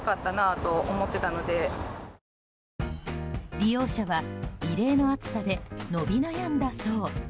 利用者は異例の暑さで伸び悩んだそう。